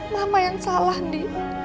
mama yang salah ndi